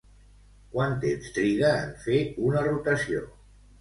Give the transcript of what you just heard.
Quant temps triga en fer una rotació?